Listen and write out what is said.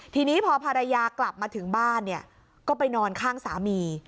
ทีนี้พอภรรยากลับมาถึงบ้านเนี่ยก็ไปนอนข้างสามี